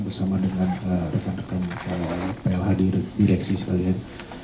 bersama dengan rekan rekan plh direksi sekalian